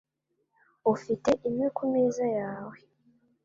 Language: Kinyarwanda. Ufite imwe kumeza yawe